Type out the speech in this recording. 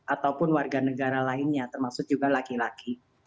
ataupun warga negara lainnya termasuk juga laki laki